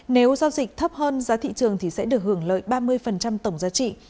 nếu giao dịch thấp hơn giá thị trường thì sẽ được hưởng lợi ba mươi tổng giá trị